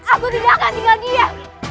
aku tidak akan tinggal dia